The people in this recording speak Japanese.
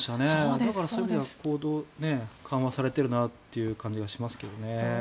だからそういう意味では行動が緩和されているなという感じがしますけどね。